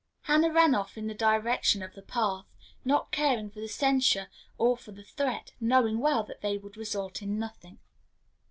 Hannah ran off in the direction of the path, not caring for the censure or for the threat, knowing well that they would result in nothing.